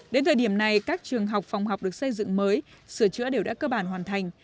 đến thời điểm này các trường học phòng học được xây dựng mới sửa chữa đều đã cơ bản hoàn thành